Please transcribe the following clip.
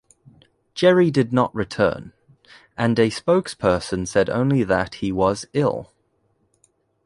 Gerry did not return, and a spokesperson said only that he was "ill".